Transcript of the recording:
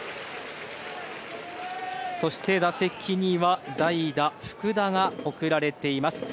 そして打席には代打、福田が送られています。